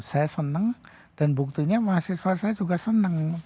saya senang dan buktinya mahasiswa saya juga senang